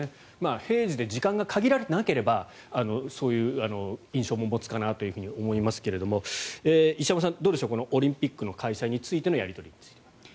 平時で時間が限られていなければそういう印象も持つかなとも思いますけど石山さん、どうでしょうオリンピックの開催についてのやり取りについては。